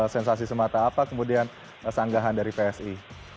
sensasi semata apa kemudian sanggahan dari psi